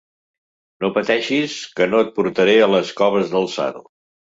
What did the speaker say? No pateixis, que no et portaré a les coves del sado.